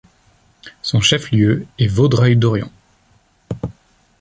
Son chef-lieu est Vaudreuil-Dorion.